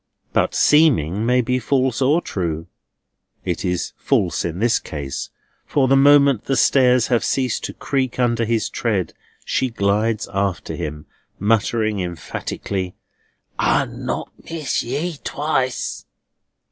But seeming may be false or true. It is false in this case; for, the moment the stairs have ceased to creak under his tread, she glides after him, muttering emphatically: "I'll not miss ye twice!"